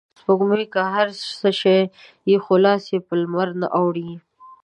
سپوږمۍ که هر څه شي خو لاس یې په لمرنه اوړي